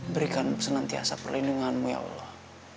berikan senantiasa perlindunganmu ya allah